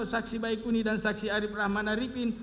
saksi baikuni dan saksi arief rahman arifin